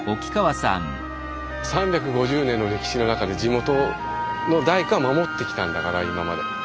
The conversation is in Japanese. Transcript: ３５０年の歴史の中で地元の大工が守ってきたんだから今まで。